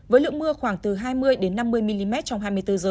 với lượng mưa khoảng từ hai mươi năm mươi mm trong hai mươi bốn h